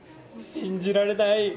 信じられない！